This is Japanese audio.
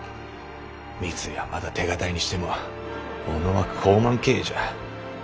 三井はまだ手堅いにしても小野は放漫経営じゃ。